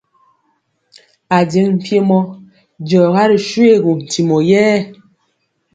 Ajeŋg mpiemɔ diɔga ri shoégu ntimɔ yɛɛ.